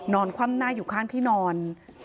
คว่ำหน้าอยู่ข้างที่นอน